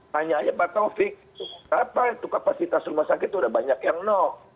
hanya hanya pak taufik apa itu kapasitas rumah sakit udah banyak yang no